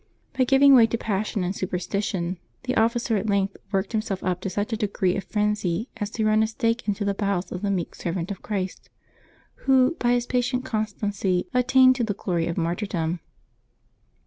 By giving way to passion and superstition^ the officer at length worked himself up to such a degree of frenzy as to run a stake into the bowels of the meek servant of Christ, who, by his patient constancy, attained to the glory of martyrdom.